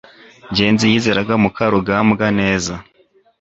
ngenzi yizeraga mukarugambwa neza